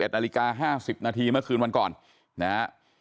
๑นาฬิกา๕๐นาทีเมื่อคืนวันก่อนนะฮะ